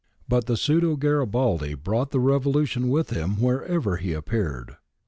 But the pseudo Garibaldi brought the revolution with him wherever he appeared.